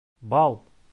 — Бал!